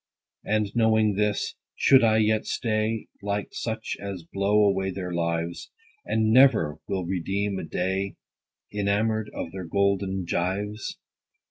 20 And, knowing this, should I yet stay, Like such as blow away their lives, And never will redeem a day, Enamour'd of their golden gyves